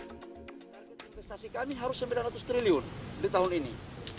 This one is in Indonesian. target investasi kami harus sembilan ratus triliun di tahun ini